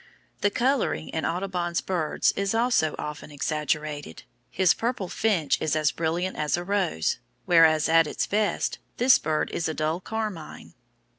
The colouring in Audubon's birds is also often exaggerated. His purple finch is as brilliant as a rose, whereas at its best, this bird is a dull carmine.